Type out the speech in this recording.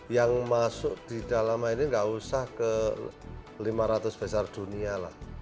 yang masuk di dalam ini nggak usah ke lima ratus besar dunia lah